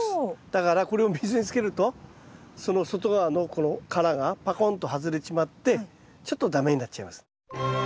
だからこれを水につけるとその外側のこの殻がパコンと外れちまってちょっと駄目になっちゃいます。